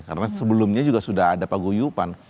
karena sebelumnya juga sudah ada paguyupan